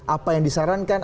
apa yang disarankan